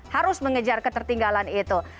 harus mengejar ketertinggalan itu